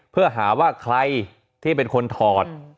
เพื่อหาว่าใครที่เป็นคนถอด